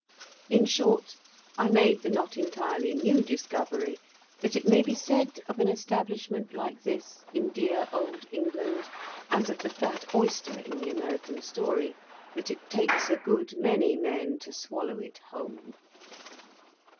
In short, I made the not entirely new discovery that it may be said of an establishment like this, in dear old England, as of the fat oyster in the American story, that it takes a good many men to swallow it whole.